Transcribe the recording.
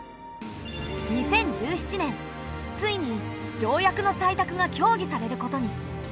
２０１７年ついに条約の採択が協議されることに。